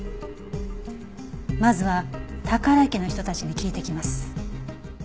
まずは宝居家の人たちに聞いてきます。